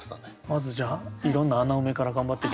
まずじゃあいろんな穴埋めから頑張って。